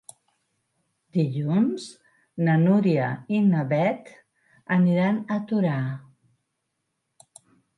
Dilluns na Núria i na Beth aniran a Torà.